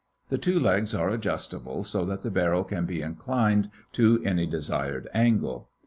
The two legs are adjustable, so that the barrel can be inclined to any desired angle.